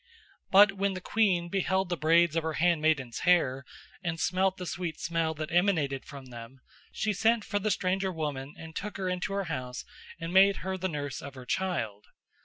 But when the queen beheld the braids of her handmaidens' hair and smelt the sweet smell that emanated from them, she sent for the stranger woman and took her into her house and made her the nurse of her child.